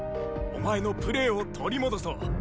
お前のプレーを取り戻そう。